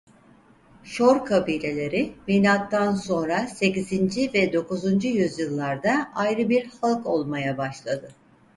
Şor kabileleri Milattan sonra sekizinci ve dokuzuncu yüzyıllarda ayrı bir halk olmaya başladı.